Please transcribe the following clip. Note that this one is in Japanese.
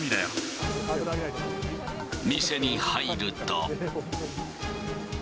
店に入ると。